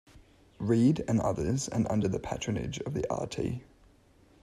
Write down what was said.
Reid and others and under the patronage of the Rt.